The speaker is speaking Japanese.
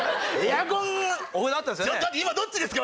今どっちですか？